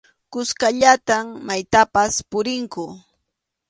Kuskallataq maytapas purinku.